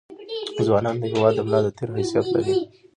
ځونان دهیواد دملا دتیر حیثت لري